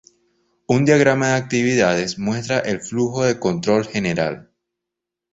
Un diagrama de actividades muestra el flujo de control general.